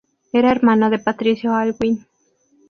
Era hermano de Patricio Aylwin.